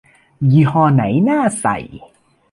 ยี่ห้อไหนน่าใส่